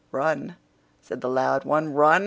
"Run?" said the loud one; "run?